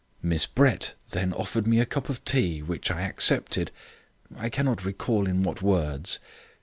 Miss Brett then offered me a cup of tea, which I accepted, I cannot recall in what words.